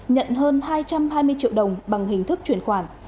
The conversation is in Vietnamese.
nhận hơn hai trăm hai mươi triệu đồng bằng hình thức chuyển khoản